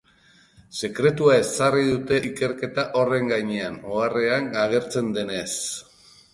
Sekretua ezarri dute ikerketa horren gainean, oharrean agertzen denez.